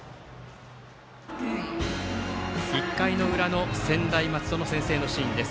１回の裏の専大松戸の先制のシーンです。